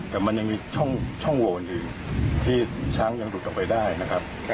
แต่มันยังมีช่องโหวตอีกที่ช้างยังหลุดออกไปได้นะครับ